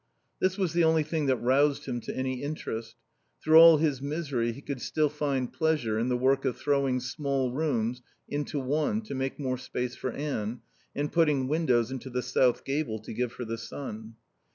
This was the only thing that roused him to any interest. Through all his misery he could still find pleasure in the work of throwing small rooms into one to make more space for Anne, and putting windows into the south gable to give her the sun.